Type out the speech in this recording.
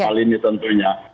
hal ini tentunya